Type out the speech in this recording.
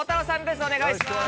お願いします。